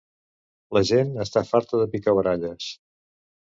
La gent està farta de picabaralles